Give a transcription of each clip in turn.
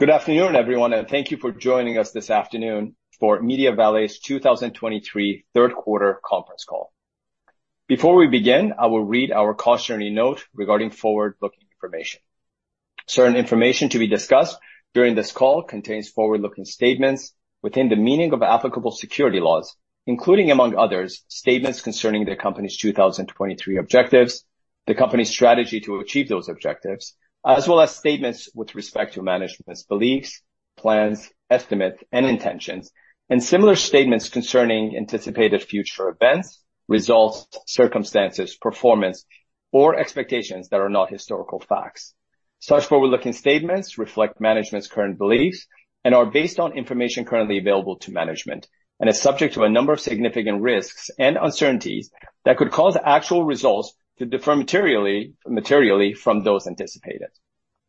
Good afternoon, everyone, and thank you for joining us this afternoon for MediaValet's 2023 third quarter conference call. Before we begin, I will read our cautionary note regarding forward-looking information. Certain information to be discussed during this call contains forward-looking statements within the meaning of applicable securities laws, including, among others, statements concerning the Company's 2023 objectives, the company's strategy to achieve those objectives, as well as statements with respect to management's beliefs, plans, estimates, and intentions, and similar statements concerning anticipated future events, results, circumstances, performance, or expectations that are not historical facts. Such forward-looking statements reflect management's current beliefs and are based on information currently available to management and is subject to a number of significant risks and uncertainties that could cause actual results to differ materially from those anticipated.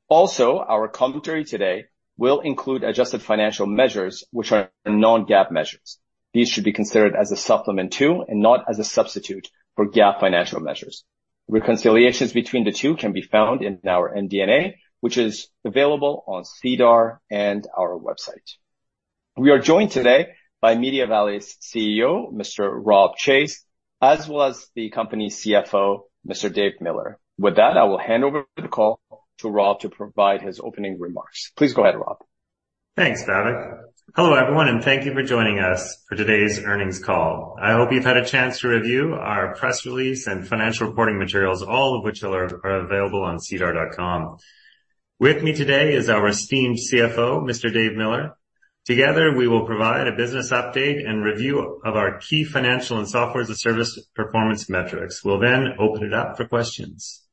Also, our commentary today will include adjusted financial measures, which are non-GAAP measures. These should be considered as a supplement to and not as a substitute for GAAP financial measures. Reconciliations between the two can be found in our MD&A, which is available on SEDAR and our website. We are joined today by MediaValet's CEO, Mr. Rob Chase, as well as the company's CFO, Mr. Dave Miller. With that, I will hand over the call to Rob to provide his opening remarks. Please go ahead, Rob. Thanks, David. Hello, everyone, and thank you for joining us for today's earnings call. I hope you've had a chance to review our press release and financial reporting materials, all of which are available on SEDAR.com. With me today is our esteemed CFO, Mr. Dave Miller. Together, we will provide a business update and review of our key financial and software as a service performance metrics. We'll then open it up for questions.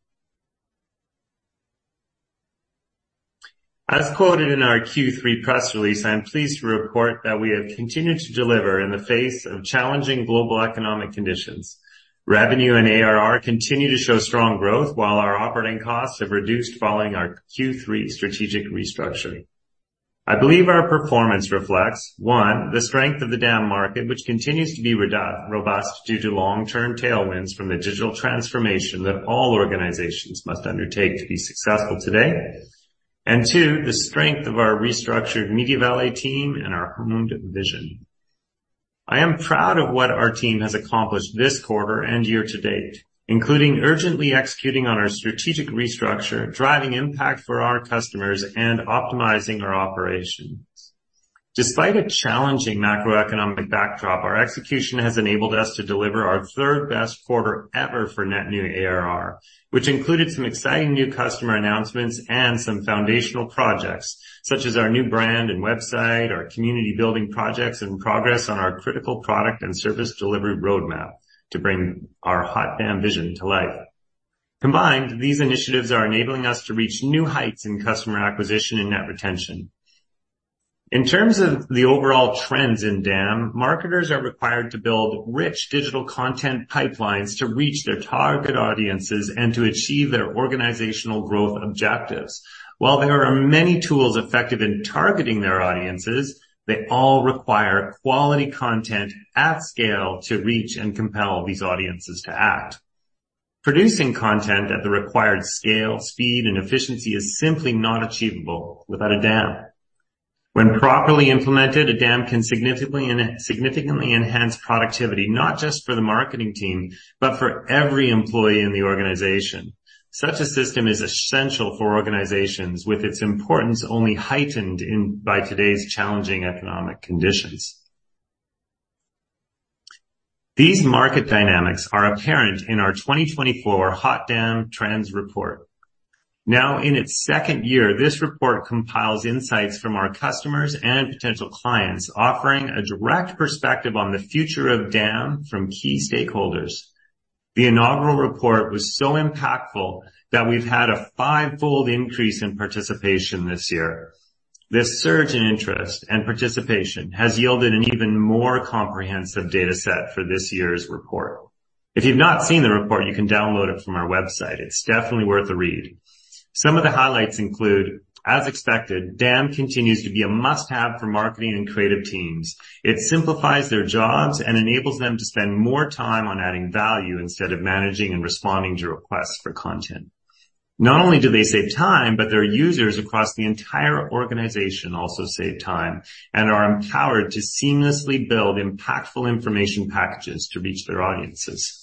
As quoted in our Q3 press release, I'm pleased to report that we have continued to deliver in the face of challenging global economic conditions. Revenue and ARR continue to show strong growth, while our operating costs have reduced following our Q3 strategic restructuring. I believe our performance reflects, one, the strength of the DAM market, which continues to be robust due to long-term tailwinds from the digital transformation that all organizations must undertake to be successful today. And two, the strength of our restructured MediaValet team and our honed vision. I am proud of what our team has accomplished this quarter and year to date, including urgently executing on our strategic restructure, driving impact for our customers, and optimizing our operations. Despite a challenging macroeconomic backdrop, our execution has enabled us to deliver our third best quarter ever for net new ARR, which included some exciting new customer announcements and some foundational projects, such as our new brand and website, our community building projects, and progress on our critical product and service delivery roadmap to bring our Hot DAM vision to life. Combined, these initiatives are enabling us to reach new heights in customer acquisition and net retention. In terms of the overall trends in DAM, marketers are required to build rich digital content pipelines to reach their target audiences and to achieve their organizational growth objectives. While there are many tools effective in targeting their audiences, they all require quality content at scale to reach and compel these audiences to act. Producing content at the required scale, speed, and efficiency is simply not achievable without a DAM. When properly implemented, a DAM can significantly enhance productivity, not just for the marketing team, but for every employee in the organization. Such a system is essential for organizations with its importance only heightened by today's challenging economic conditions. These market dynamics are apparent in our 2024 Hot DAM Trends Report. Now, in its second year, this report compiles insights from our customers and potential clients, offering a direct perspective on the future of DAM from key stakeholders. The inaugural report was so impactful that we've had a fivefold increase in participation this year. This surge in interest and participation has yielded an even more comprehensive data set for this year's report. If you've not seen the report, you can download it from our website. It's definitely worth a read. Some of the highlights include, as expected, DAM continues to be a must-have for marketing and creative teams. It simplifies their jobs and enables them to spend more time on adding value instead of managing and responding to requests for content. Not only do they save time, but their users across the entire organization also save time and are empowered to seamlessly build impactful information packages to reach their audiences.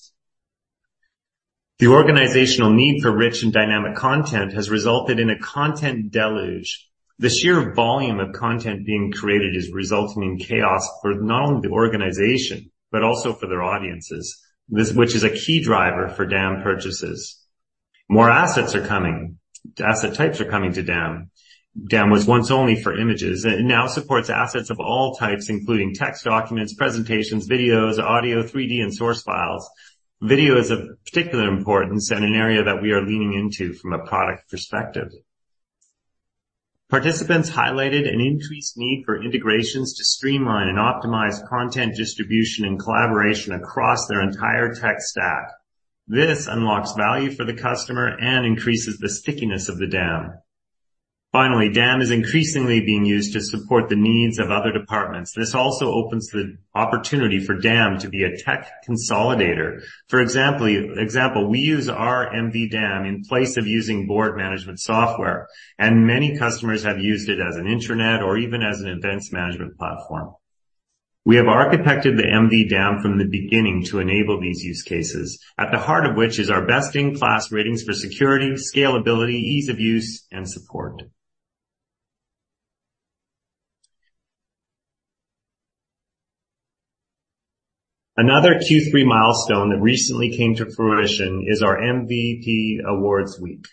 The organizational need for rich and dynamic content has resulted in a content deluge. The sheer volume of content being created is resulting in chaos for not only the organization, but also for their audiences, which is a key driver for DAM purchases. More assets are coming. Asset types are coming to DAM. DAM was once only for images; it now supports assets of all types, including text, documents, presentations, videos, audio, 3D and source files. Video is of particular importance and an area that we are leaning into from a product perspective. Participants highlighted an increased need for integrations to streamline and optimize content distribution and collaboration across their entire tech stack. This unlocks value for the customer and increases the stickiness of the DAM. Finally, DAM is increasingly being used to support the needs of other departments. This also opens the opportunity for DAM to be a tech consolidator. For example, we use our MV DAM in place of using board management software, and many customers have used it as an intranet or even as an events management platform. We have architected the MV DAM from the beginning to enable these use cases, at the heart of which is our best-in-class ratings for security, scalability, ease of use, and support. Another Q3 milestone that recently came to fruition is our MVP Awards week.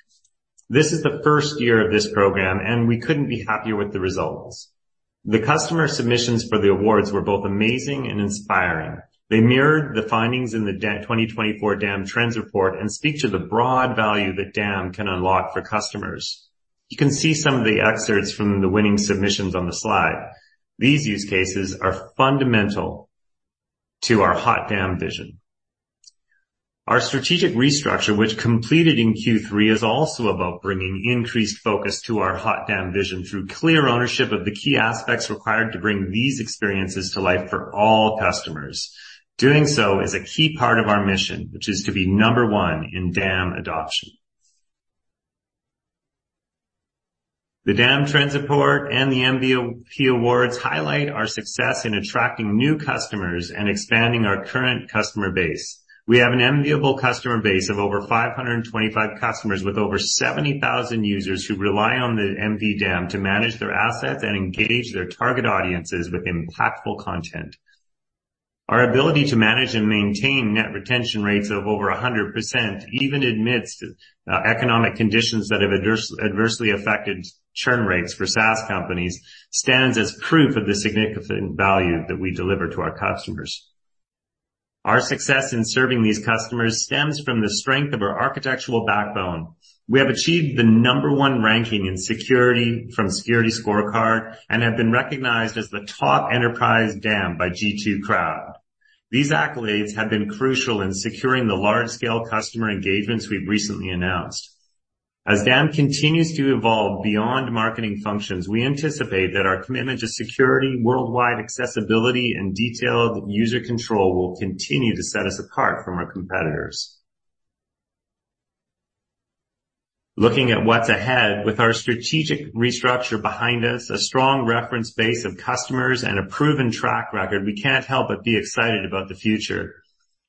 This is the first year of this program, and we couldn't be happier with the results. The customer submissions for the awards were both amazing and inspiring. They mirrored the findings in the 2024 DAM Trends Report, and speak to the broad value that DAM can unlock for customers. You can see some of the excerpts from the winning submissions on the slide. These use cases are fundamental to our Hot DAM vision. Our strategic restructure, which completed in Q3, is also about bringing increased focus to our Hot DAM vision through clear ownership of the key aspects required to bring these experiences to life for all customers. Doing so is a key part of our mission, which is to be number one in DAM adoption. The DAM Trends Report and the MVP Awards highlight our success in attracting new customers and expanding our current customer base. We have an enviable customer base of over 525 customers, with over 70,000 users who rely on the MV DAM to manage their assets and engage their target audiences with impactful content. Our ability to manage and maintain net retention rates of over 100%, even amidst economic conditions that have adversely affected churn rates for SaaS companies, stands as proof of the significant value that we deliver to our customers. Our success in serving these customers stems from the strength of our architectural backbone. We have achieved the number one ranking in security from SecurityScorecard, and have been recognized as the top enterprise DAM by G2 Crowd. These accolades have been crucial in securing the large-scale customer engagements we've recently announced. As DAM continues to evolve beyond marketing functions, we anticipate that our commitment to security, worldwide accessibility, and detailed user control will continue to set us apart from our competitors. Looking at what's ahead, with our strategic restructure behind us, a strong reference base of customers, and a proven track record, we can't help but be excited about the future.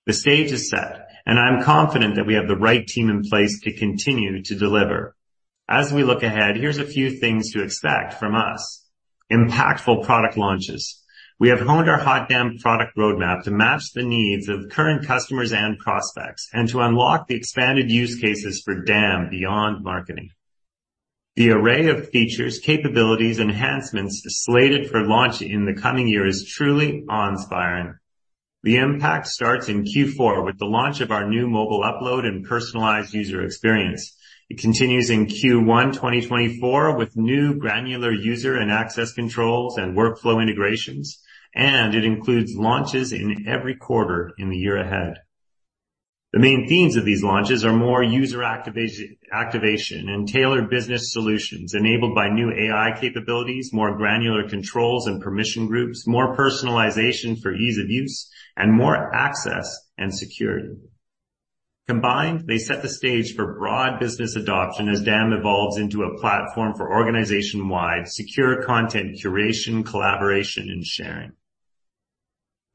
The stage is set, and I'm confident that we have the right team in place to continue to deliver. As we look ahead, here's a few things to expect from us. Impactful product launches. We have honed our Hot DAM product roadmap to match the needs of current customers and prospects, and to unlock the expanded use cases for DAM beyond marketing. The array of features, capabilities, and enhancements slated for launch in the coming year is truly awe-inspiring. The impact starts in Q4 with the launch of our new mobile upload and personalized user experience. It continues in Q1, 2024, with new granular user and access controls and workflow integrations, and it includes launches in every quarter in the year ahead. The main themes of these launches are more user activation and tailored business solutions, enabled by new AI capabilities, more granular controls and permission groups, more personalization for ease of use, and more access and security. Combined, they set the stage for broad business adoption as DAM evolves into a platform for organization-wide secure content curation, collaboration, and sharing.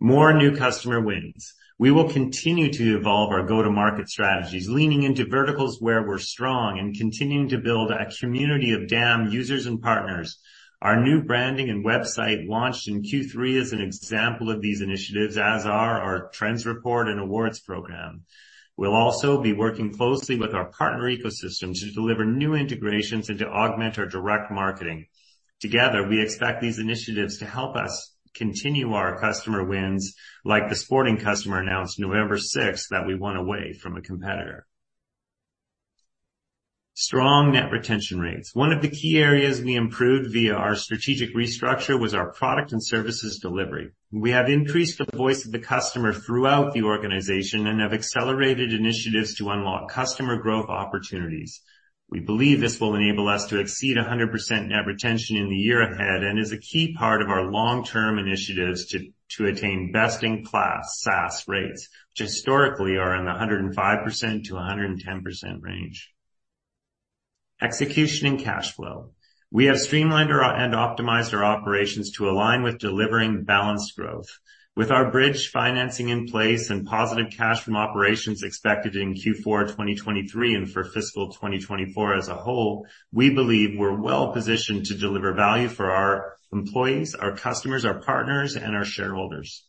More new customer wins. We will continue to evolve our go-to-market strategies, leaning into verticals where we're strong, and continuing to build a community of DAM users and partners. Our new branding and website, launched in Q3, is an example of these initiatives, as are our trends report and awards program. We'll also be working closely with our partner ecosystem to deliver new integrations and to augment our direct marketing. Together, we expect these initiatives to help us continue our customer wins, like the sporting customer announced November sixth, that we won away from a competitor. Strong net retention rates. One of the key areas we improved via our strategic restructure was our product and services delivery. We have increased the voice of the customer throughout the organization and have accelerated initiatives to unlock customer growth opportunities. We believe this will enable us to exceed 100% net retention in the year ahead, and is a key part of our long-term initiatives to, to attain best-in-class SaaS rates, which historically are in the 105%-110% range. Execution and cash flow. We have streamlined and optimized our operations to align with delivering balanced growth. With our bridge financing in place and positive cash from operations expected in Q4, 2023, and for fiscal 2024 as a whole, we believe we're well positioned to deliver value for our employees, our customers, our partners, and our shareholders.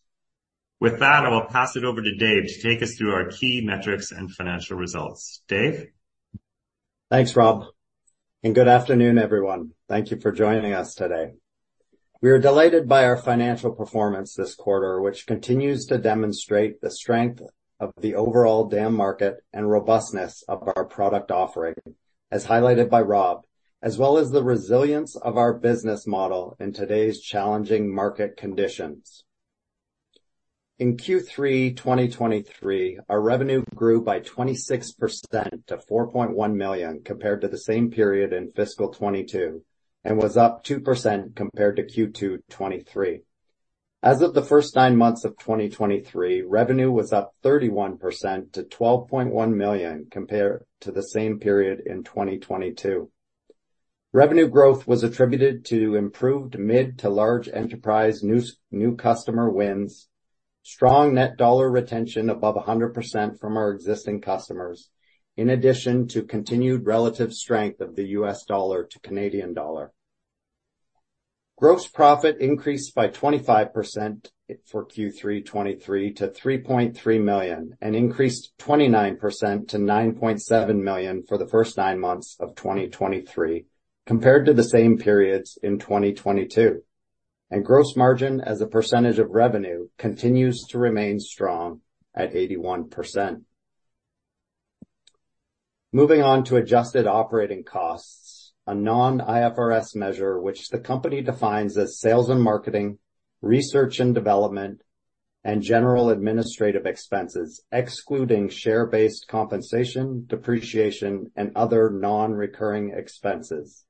With that, I will pass it over to Dave to take us through our key metrics and financial results. Dave? Thanks, Rob, and good afternoon, everyone. Thank you for joining us today. We are delighted by our financial performance this quarter, which continues to demonstrate the strength of the overall DAM market and robustness of our product offering, as highlighted by Rob, as well as the resilience of our business model in today's challenging market conditions. In Q3 2023, our revenue grew by 26% to 4.1 million, compared to the same period in fiscal 2022, and was up 2% compared to Q2 2023. As of the first nine months of 2023, revenue was up 31% to 12.1 million, compared to the same period in 2022. Revenue growth was attributed to improved mid- to large-enterprise new customer wins, strong net dollar retention above 100% from our existing customers, in addition to continued relative strength of the US dollar to Canadian dollar. Gross profit increased by 25% for Q3 2023 to 3.3 million, and increased 29% to 9.7 million for the first nine months of 2023, compared to the same periods in 2022. Gross margin, as a percentage of revenue, continues to remain strong at 81%. Moving on to adjusted operating costs, a non-IFRS measure, which the company defines as sales and marketing, research and development, and general administrative expenses, excluding share-based compensation, depreciation, and other non-recurring expenses.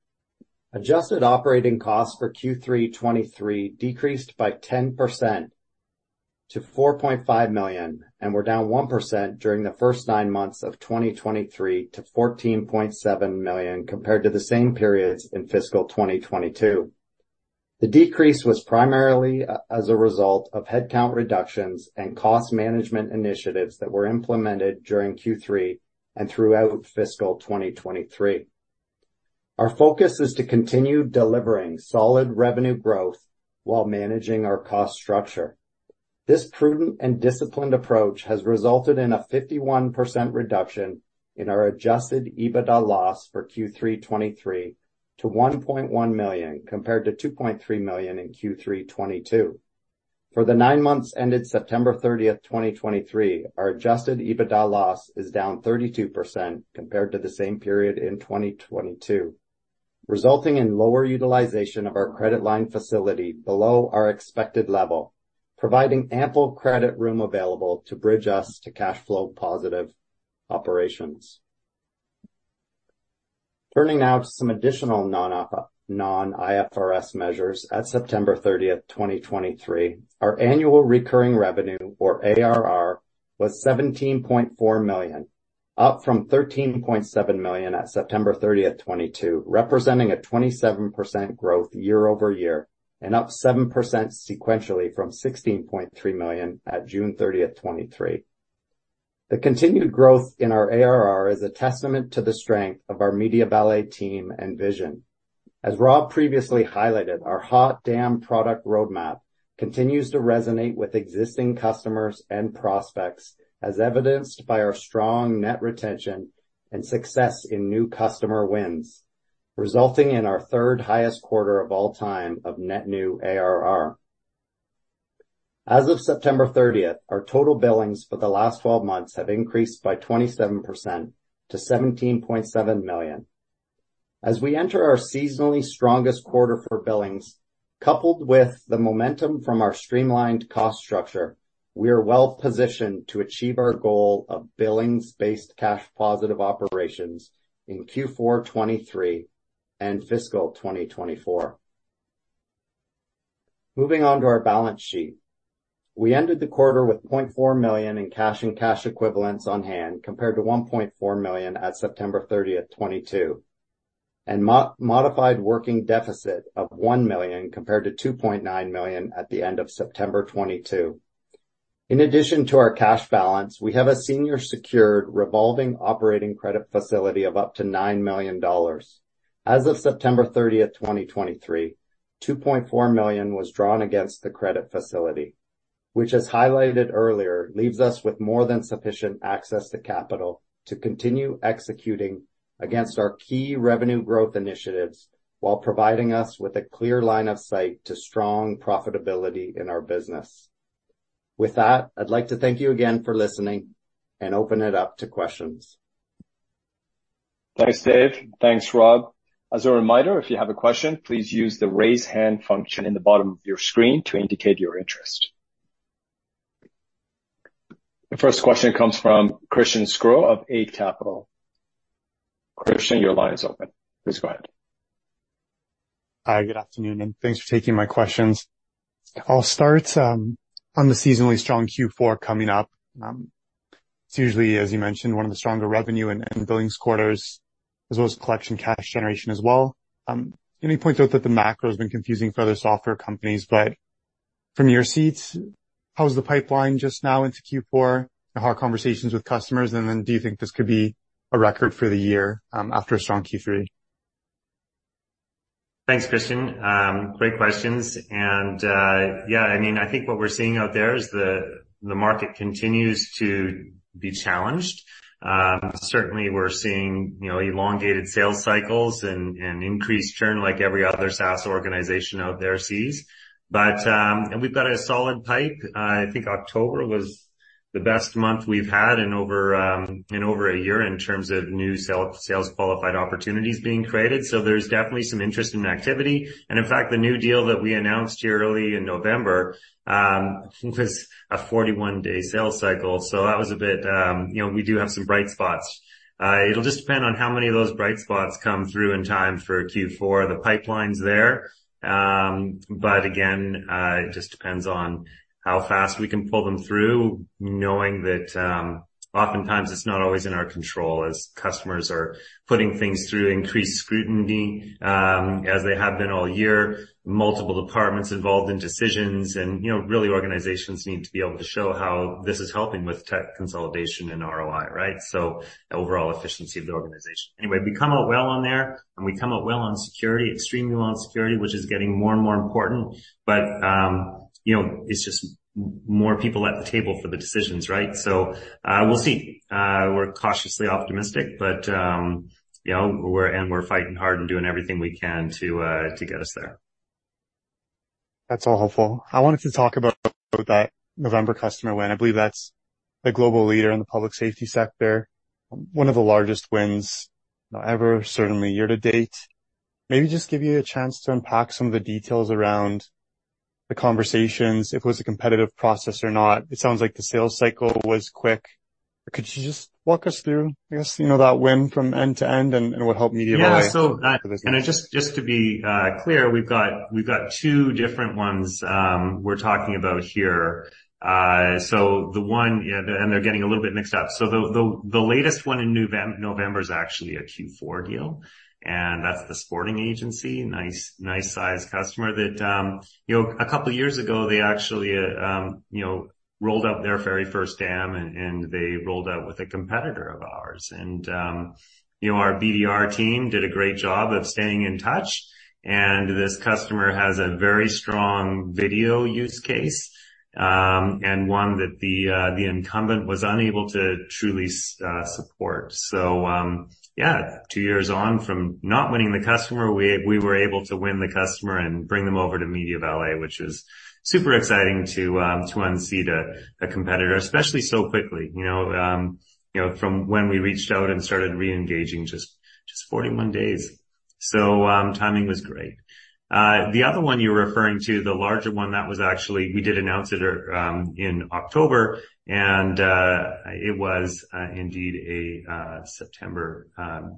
Adjusted operating costs for Q3 2023 decreased by 10% to 4.5 million, and were down 1% during the first nine months of 2023 to 14.7 million, compared to the same periods in fiscal 2022. The decrease was primarily as a result of headcount reductions and cost management initiatives that were implemented during Q3 and throughout fiscal 2023. Our focus is to continue delivering solid revenue growth while managing our cost structure. This prudent and disciplined approach has resulted in a 51% reduction in our adjusted EBITDA loss for Q3 2023 to 1.1 million, compared to 2.3 million in Q3 2022. For the 9 months ended September 30, 2023, our adjusted EBITDA loss is down 32% compared to the same period in 2022, resulting in lower utilization of our credit line facility below our expected level, providing ample credit room available to bridge us to cash flow positive operations. Turning now to some additional non-IFRS measures. At September 30, 2023, our annual recurring revenue, or ARR, was 17.4 million, up from 13.7 million at September 30, 2022, representing a 27% growth year-over-year, and up 7% sequentially from 16.3 million at June 30, 2023. The continued growth in our ARR is a testament to the strength of our MediaValet team and vision. As Rob previously highlighted, our Hot DAM product roadmap continues to resonate with existing customers and prospects, as evidenced by our strong net retention and success in new customer wins, resulting in our third highest quarter of all time of net new ARR. As of September thirtieth, our total billings for the last twelve months have increased by 27% to 17.7 million. As we enter our seasonally strongest quarter for billings, coupled with the momentum from our streamlined cost structure, we are well positioned to achieve our goal of billings-based cash positive operations in Q4 2023 and fiscal 2024. Moving on to our balance sheet. We ended the quarter with 0.4 million in cash and cash equivalents on hand, compared to 1.4 million at September 30, 2022, and modified working deficit of 1 million, compared to 2.9 million at the end of September 2022. In addition to our cash balance, we have a senior secured revolving operating credit facility of up to 9 million dollars. As of September 30, 2023, 2.4 million was drawn against the credit facility, which, as highlighted earlier, leaves us with more than sufficient access to capital to continue executing against our key revenue growth initiatives, while providing us with a clear line of sight to strong profitability in our business. With that, I'd like to thank you again for listening and open it up to questions. Thanks, Dave. Thanks, Rob. As a reminder, if you have a question, please use the Raise Hand function in the bottom of your screen to indicate your interest. The first question comes from Christian Sgro of Eight Capital. Christian, your line is open. Please go ahead. Hi, good afternoon, and thanks for taking my questions. I'll start on the seasonally strong Q4 coming up. It's usually, as you mentioned, one of the stronger revenue and billings quarters, as well as collection cash generation as well. Let me point out that the macro has been confusing for other software companies, but from your seats, how's the pipeline just now into Q4? And how are conversations with customers, and then do you think this could be a record for the year after a strong Q3? Thanks, Christian. Great questions, and yeah, I mean, I think what we're seeing out there is the market continues to be challenged. Certainly we're seeing, you know, elongated sales cycles and increased churn, like every other SaaS organization out there sees. But, and we've got a solid pipe. I think October was the best month we've had in over a year in terms of new sales qualified opportunities being created. So there's definitely some interest and activity. And in fact, the new deal that we announced here early in November was a 41-day sales cycle, so that was a bit. You know, we do have some bright spots. It'll just depend on how many of those bright spots come through in time for Q4. The pipeline's there, but again, it just depends on how fast we can pull them through, knowing that, oftentimes it's not always in our control, as customers are putting things through increased scrutiny, as they have been all year. Multiple departments involved in decisions and, you know, really, organizations need to be able to show how this is helping with tech consolidation and ROI, right? So overall efficiency of the organization. Anyway, we come out well on there, and we come out well on security, extremely well on security, which is getting more and more important. But, you know, it's just more people at the table for the decisions, right? So, we'll see. We're cautiously optimistic, but, you know, and we're fighting hard and doing everything we can to, to get us there.... That's all helpful. I wanted to talk about that November customer win. I believe that's a global leader in the public safety sector, one of the largest wins ever, certainly year to date. Maybe just give you a chance to unpack some of the details around the conversations, if it was a competitive process or not. It sounds like the sales cycle was quick. Could you just walk us through, I guess, you know, that win from end to end and, and what helped MediaValet? Yeah, so, and just, just to be clear, we've got, we've got two different ones, we're talking about here. So the latest one in November is actually a Q4 deal, and that's the sporting agency. Nice, nice sized customer that, you know, a couple of years ago, they actually, you know, rolled out their very first DAM, and they rolled out with a competitor of ours. And, you know, our BDR team did a great job of staying in touch, and this customer has a very strong video use case, and one that the incumbent was unable to truly support. So, yeah, two years on from not winning the customer, we were able to win the customer and bring them over to MediaValet, which is super exciting to unseat a competitor, especially so quickly. You know, from when we reached out and started reengaging, just 41 days. So, timing was great. The other one you're referring to, the larger one, that was actually... We did announce it in October, and it was indeed a September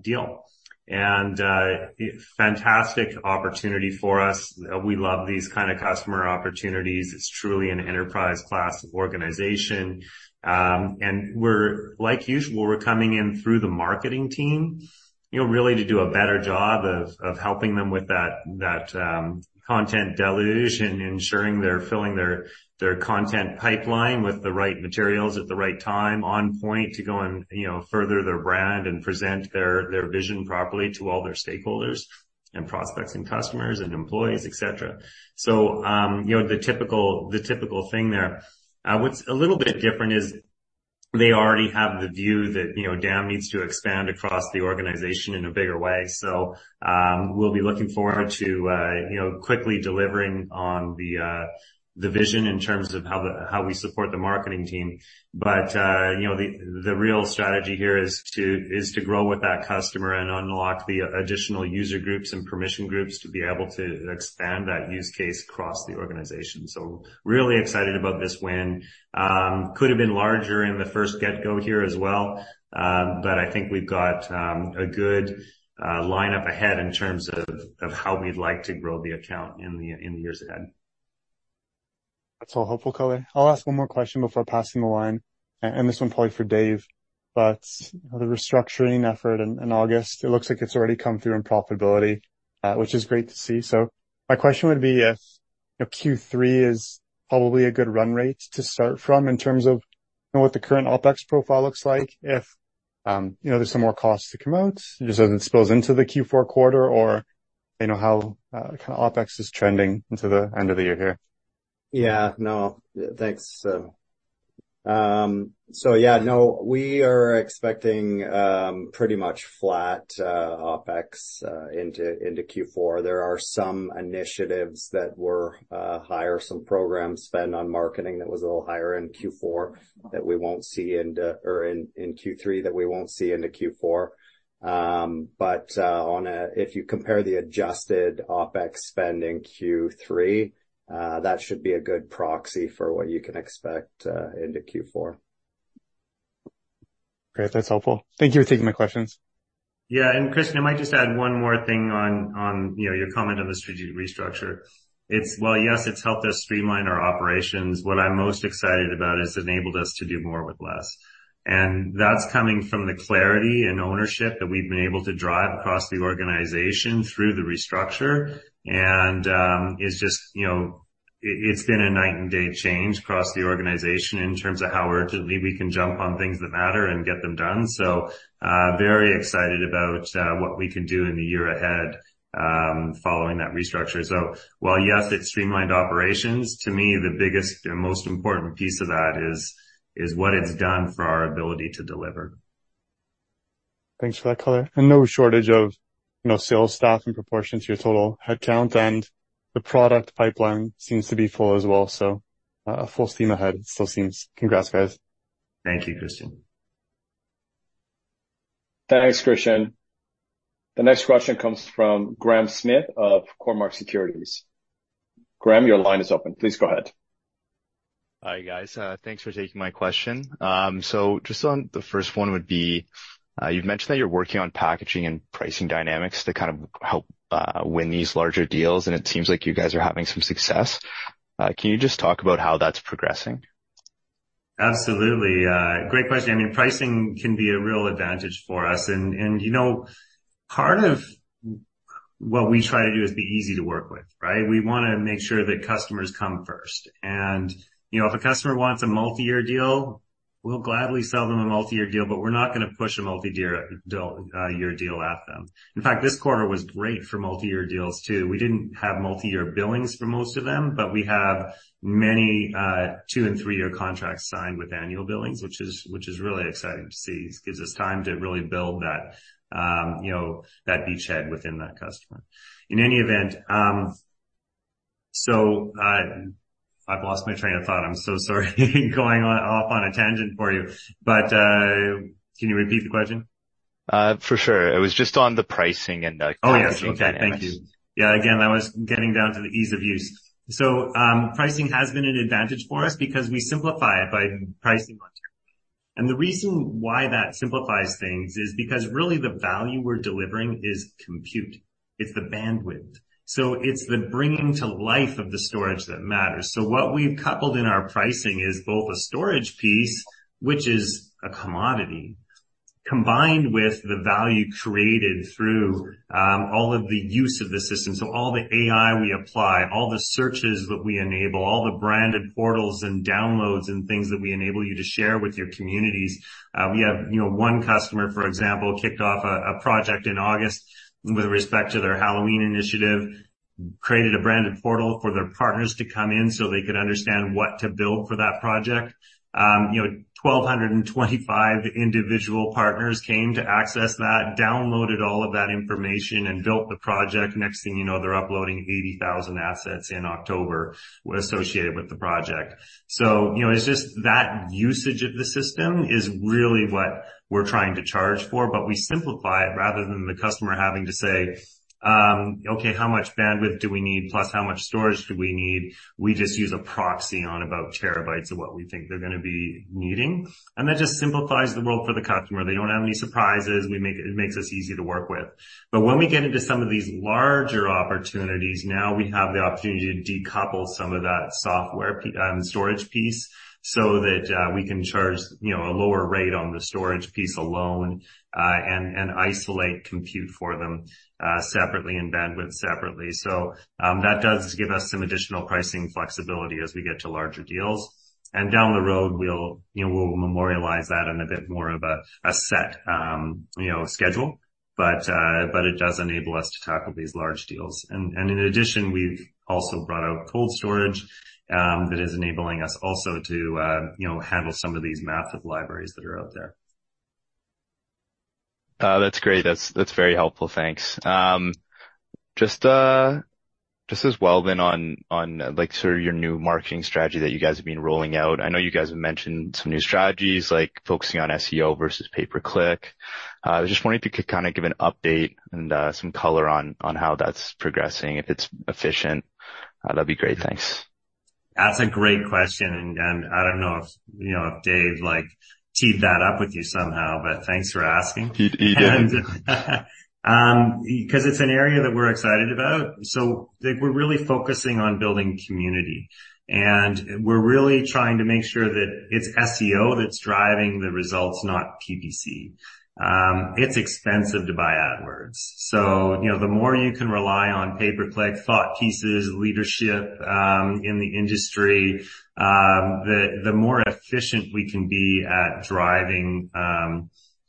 deal. Fantastic opportunity for us. We love these kind of customer opportunities. It's truly an enterprise-class organization. And we're, like usual, we're coming in through the marketing team, you know, really to do a better job of, of helping them with that, that, content deluge and ensuring they're filling their, their content pipeline with the right materials at the right time, on point to go and, you know, further their brand and present their, their vision properly to all their stakeholders and prospects and customers and employees, et cetera. So, you know, the typical, the typical thing there. What's a little bit different is they already have the view that, you know, DAM needs to expand across the organization in a bigger way. So, we'll be looking forward to, you know, quickly delivering on the, the vision in terms of how we support the marketing team. But, you know, the real strategy here is to grow with that customer and unlock the additional user groups and permission groups to be able to expand that use case across the organization. So really excited about this win. Could have been larger in the first get-go here as well, but I think we've got a good lineup ahead in terms of how we'd like to grow the account in the years ahead. That's all helpful, Colin. I'll ask one more question before passing the line, and this one probably for Dave. But the restructuring effort in August, it looks like it's already come through in profitability, which is great to see. So my question would be if, you know, Q3 is probably a good run rate to start from in terms of, you know, what the current OpEx profile looks like, if, you know, there's some more costs to come out, just as it spills into the Q4 quarter, or you know, how, kind of OpEx is trending into the end of the year here? Yeah. No, thanks. So yeah, no, we are expecting, pretty much flat, OpEx, into, into Q4. There are some initiatives that were, higher, some program spend on marketing that was a little higher in Q4, that we won't see into - or in, in Q3, that we won't see into Q4. But, on a... If you compare the adjusted OpEx spend in Q3, that should be a good proxy for what you can expect, into Q4. Great. That's helpful. Thank you for taking my questions. Yeah, and Christian, I might just add one more thing on you know your comment on the strategy restructure. It's while yes it's helped us streamline our operations, what I'm most excited about is it enabled us to do more with less. And that's coming from the clarity and ownership that we've been able to drive across the organization through the restructure. And it's just you know it's been a night and day change across the organization in terms of how urgently we can jump on things that matter and get them done. So very excited about what we can do in the year ahead following that restructure. So while yes it's streamlined operations, to me the biggest and most important piece of that is what it's done for our ability to deliver. Thanks for that color. No shortage of, you know, sales staff in proportion to your total headcount, and the product pipeline seems to be full as well, so full steam ahead, it still seems. Congrats, guys. Thank you, Christian. Thanks, Christian. The next question comes from Graham Smith of Cormark Securities. Graham, your line is open. Please go ahead. Hi, guys, thanks for taking my question. So just on the first one would be, you've mentioned that you're working on packaging and pricing dynamics to kind of help win these larger deals, and it seems like you guys are having some success. Can you just talk about how that's progressing? Absolutely. Great question. I mean, pricing can be a real advantage for us. And, you know, part of what we try to do is be easy to work with, right? We wanna make sure that customers come first. And, you know, if a customer wants a multi-year deal, we'll gladly sell them a multi-year deal, but we're not gonna push a multi-year deal at them. In fact, this quarter was great for multi-year deals, too. We didn't have multi-year billings for most of them, but we have many two- and three-year contracts signed with annual billings, which is really exciting to see. It gives us time to really build that, you know, that beachhead within that customer. In any event, so I've lost my train of thought. I'm so sorry, going off on a tangent for you, but, can you repeat the question? For sure. It was just on the pricing and packaging dynamics. Oh, yes. Okay, thank you. Yeah, again, I was getting down to the ease of use. So, pricing has been an advantage for us because we simplify it by pricing on terabyte. And the reason why that simplifies things is because really the value we're delivering is compute. It's the bandwidth. So it's the bringing to life of the storage that matters. So what we've coupled in our pricing is both a storage piece, which is a commodity, combined with the value created through all of the use of the system. So all the AI we apply, all the searches that we enable, all the branded portals and downloads and things that we enable you to share with your communities. We have, you know, one customer, for example, kicked off a project in August with respect to their Halloween initiative, created a branded portal for their partners to come in so they could understand what to build for that project. You know, 1,225 individual partners came to access that, downloaded all of that information and built the project. Next thing you know, they're uploading 80,000 assets in October associated with the project. So, you know, it's just that usage of the system is really what we're trying to charge for, but we simplify it rather than the customer having to say: "Okay, how much bandwidth do we need? Plus, how much storage do we need?" We just use a proxy on about terabytes of what we think they're gonna be needing, and that just simplifies the world for the customer. They don't have any surprises. It makes us easy to work with. But when we get into some of these larger opportunities, now we have the opportunity to decouple some of that software storage piece, so that we can charge, you know, a lower rate on the storage piece alone, and isolate compute for them separately and bandwidth separately. So that does give us some additional pricing flexibility as we get to larger deals. And down the road, we'll, you know, we'll memorialize that on a bit more of a set, you know, schedule. But it does enable us to tackle these large deals. And in addition, we've also brought out cold storage that is enabling us also to, you know, handle some of these massive libraries that are out there. That's great. That's, that's very helpful. Thanks. Just, just as well then on, on, like, sort of your new marketing strategy that you guys have been rolling out. I know you guys have mentioned some new strategies, like focusing on SEO versus pay-per-click. I just wondering if you could kinda give an update and, some color on, on how that's progressing, if it's efficient. That'd be great. Thanks. That's a great question, and, and I don't know if, you know, if Dave, like, teed that up with you somehow, but thanks for asking. He, he did. 'Cause it's an area that we're excited about. So, like, we're really focusing on building community, and we're really trying to make sure that it's SEO that's driving the results, not PPC. It's expensive to buy AdWords. So, you know, the more you can rely on pay per click, thought pieces, leadership in the industry, the more efficient we can be at driving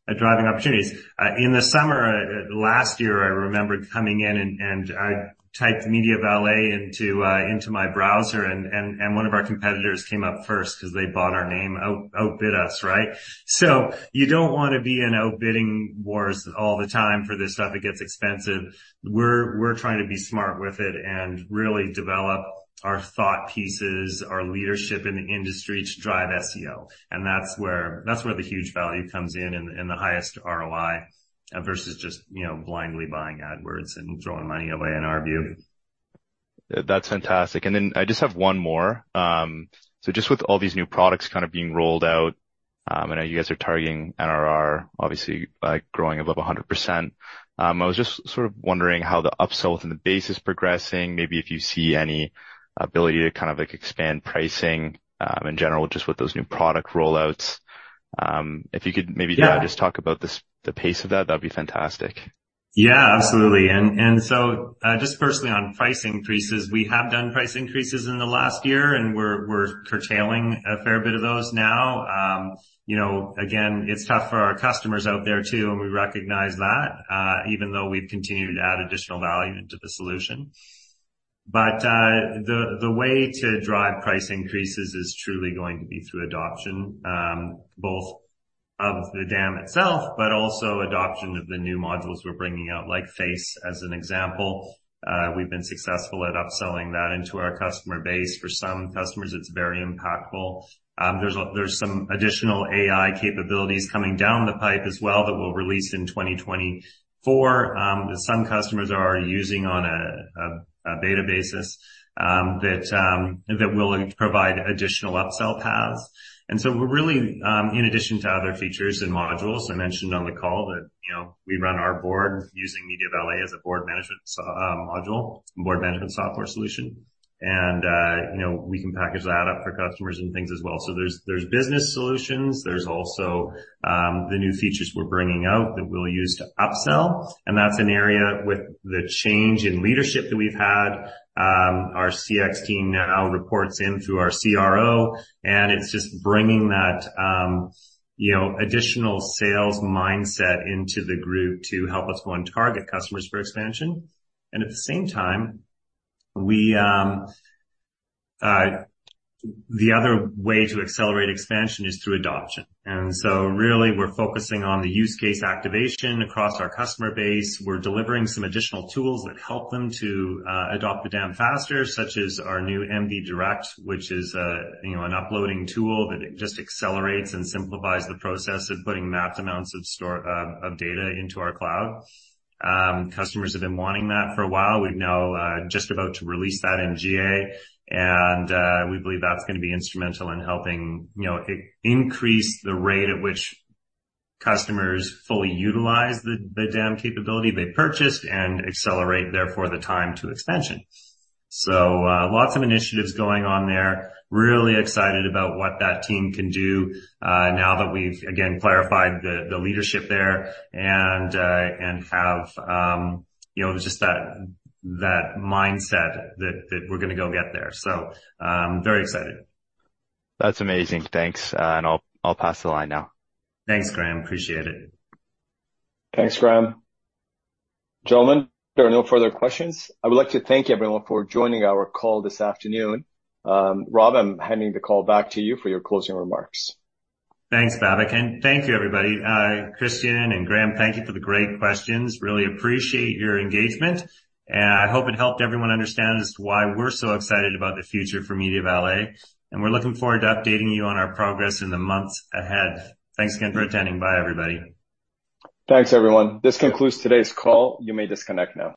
opportunities. In the summer last year, I remember coming in and I typed MediaValet into my browser, and one of our competitors came up first 'cause they bought our name, outbid us, right? So you don't wanna be in outbidding wars all the time for this stuff. It gets expensive. We're trying to be smart with it and really develop our thought pieces, our leadership in the industry to drive SEO. And that's where the huge value comes in the highest ROI versus just, you know, blindly buying AdWords and throwing money away, in our view. That's fantastic. And then I just have one more. So just with all these new products kind of being rolled out, I know you guys are targeting NRR, obviously, like, growing above 100%. I was just sort of wondering how the upsell within the base is progressing. Maybe if you see any ability to kind of, like, expand pricing, in general, just with those new product rollouts. If you could maybe- Yeah. Just talk about the pace of that; that'd be fantastic. Yeah, absolutely. And so, just personally on price increases, we have done price increases in the last year, and we're curtailing a fair bit of those now. You know, again, it's tough for our customers out there too, and we recognize that, even though we've continued to add additional value into the solution. But, the way to drive price increases is truly going to be through adoption, both of the DAM itself, but also adoption of the new modules we're bringing out, like Face, as an example. We've been successful at upselling that into our customer base. For some customers, it's very impactful. There's some additional AI capabilities coming down the pipe as well that we'll release in 2024, that some customers are using on a beta basis, that will provide additional upsell paths. And so we're really, in addition to other features and modules I mentioned on the call that, you know, we run our board using MediaValet as a board management module, board management software solution. And, you know, we can package that up for customers and things as well. So there's business solutions. There's also the new features we're bringing out that we'll use to upsell, and that's an area with the change in leadership that we've had. Our CX team now reports into our CRO, and it's just bringing that, you know, additional sales mindset into the group to help us go and target customers for expansion. And at the same time, the other way to accelerate expansion is through adoption. And so really, we're focusing on the use case activation across our customer base. We're delivering some additional tools that help them to adopt the DAM faster, such as our new MV Direct, which is, you know, an uploading tool that it just accelerates and simplifies the process of putting large amounts of data into our cloud. Customers have been wanting that for a while. We're now just about to release that in GA, and we believe that's gonna be instrumental in helping, you know, increase the rate at which customers fully utilize the DAM capability they purchased and accelerate, therefore, the time to expansion. So, lots of initiatives going on there. Really excited about what that team can do, now that we've, again, clarified the leadership there and, and have, you know, just that mindset that we're gonna go get there. So, very excited. That's amazing. Thanks. And I'll pass the line now. Thanks, Graham. Appreciate it. Thanks, Graham. Gentlemen, there are no further questions. I would like to thank everyone for joining our call this afternoon. Rob, I'm handing the call back to you for your closing remarks. Thanks, Babak, and thank you, everybody. Christian and Graham, thank you for the great questions. Really appreciate your engagement, and I hope it helped everyone understand as to why we're so excited about the future for MediaValet, and we're looking forward to updating you on our progress in the months ahead. Thanks again for attending. Bye, everybody. Thanks, everyone. This concludes today's call. You may disconnect now.